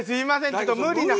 ちょっと無理だ。